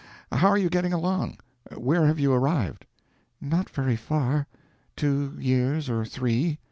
How are you getting along? Where have you arrived?" "Not very far two years or three.